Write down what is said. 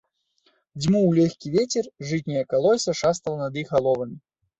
Дзьмуў лёгкі вецер, жытняе калоссе шастала над іх галовамі.